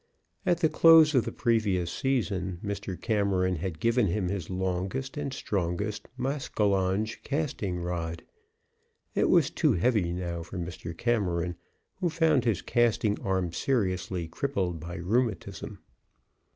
At the close of the previous season, Mr. Cameron had given him his longest and strongest maskinonge casting rod; it was too heavy now for Mr. Cameron, who found his casting arm seriously crippled by rheumatism.